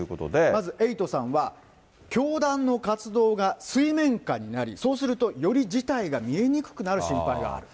まず、エイトさんは、教団の活動が水面下になり、そうするとより事態が見えにくくなる心配がある。